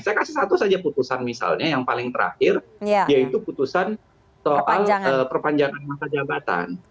saya kasih satu saja putusan misalnya yang paling terakhir yaitu putusan soal perpanjangan masa jabatan